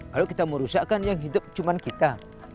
kalau kita merusakkan yang hidup cuma kita